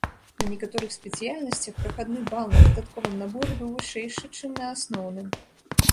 На некаторых спецыяльнасцях прахадны бал на дадатковым наборы быў вышэйшы, чым на асноўным.